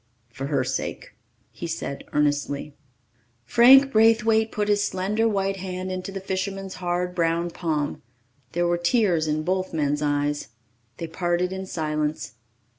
"For her sake," he said earnestly. Frank Braithwaite put his slender white hand into the fisherman's hard brown palm. There were tears in both men's eyes. They parted in silence.